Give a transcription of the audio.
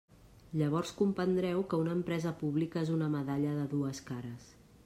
Llavors comprendreu que una empresa pública és una medalla de dues cares.